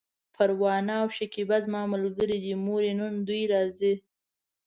پروانه او شکيبه زما ملګرې دي، مورې! نن دوی راځي!